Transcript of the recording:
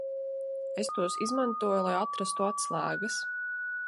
Es tos izmantoju, lai atrastu atslēgas.